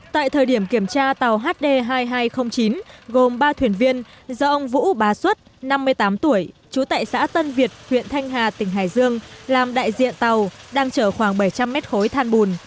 tại thời điểm kiểm tra tàu hd hai nghìn hai trăm linh chín gồm ba thuyền viên do ông vũ bá xuất năm mươi tám tuổi trú tại xã tân việt huyện thanh hà tỉnh hải dương làm đại diện tàu đang chở khoảng bảy trăm linh mét khối than bùn